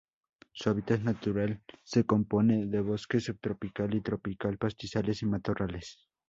Su hábitat natural se compone de bosque subtropical y tropical, pastizales y matorrales.